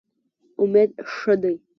امید ښه دی.